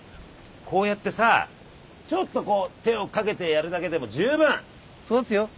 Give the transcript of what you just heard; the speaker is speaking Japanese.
こうやってさちょっとこう手をかけてやるだけでもじゅうぶん育つよ。